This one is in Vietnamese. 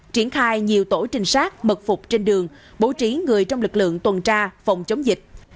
triển khai nhiều tổ trinh sát mật phục trên đường bố trí người trong lực lượng tuần tra phòng chống dịch